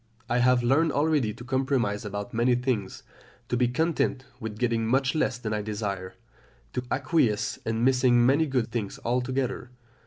I have learned already to compromise about many things, to be content with getting much less than I desire, to acquiesce in missing many good things altogether.